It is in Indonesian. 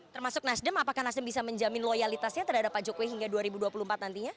termasuk nasdem apakah nasdem bisa menjamin loyalitasnya terhadap pak jokowi hingga dua ribu dua puluh empat nantinya